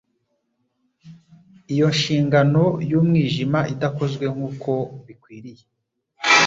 iyo nshingano y'umwijima idakozwe nk'uko bikwiriye